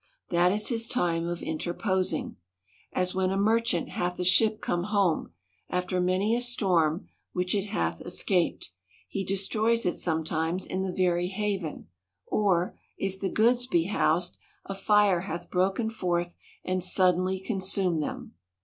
That is his time of interposing. As when a merchant hath a ship come home, after many a storm which it hath escaped, he destroys it sometimes in the very haven : or, if the goods be housed, a fire hath broken forth and suddenly consumed them.